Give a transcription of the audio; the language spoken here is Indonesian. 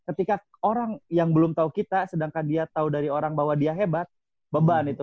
ketika orang yang belum tahu kita sedangkan dia tahu dari orang bahwa dia hebat beban itu